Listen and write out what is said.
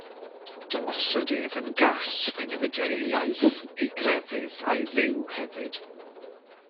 Dangosed ef yn gall pe newidiai ei iaith, ei grefydd, a'i Dduw hefyd.